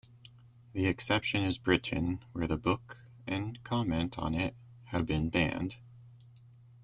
The exception is Britain, where the book, and comment on it, have been banned.